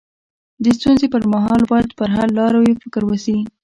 د ستونزي پر مهال باید پر حل لارو يې فکر وسي.